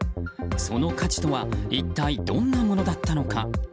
その価値とは一体どんなものだったのか。